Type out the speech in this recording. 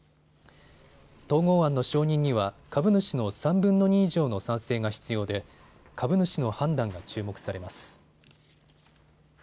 統合案の承認には株主の３分の２以上の賛成が必要で株主の判断が注目されます。